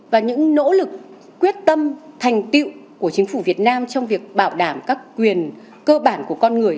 và những nỗ lực quyết tâm thành tiệu của chính phủ việt nam trong việc bảo đảm các quyền cơ bản của con người